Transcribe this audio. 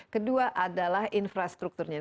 kedua adalah infrastrukturnya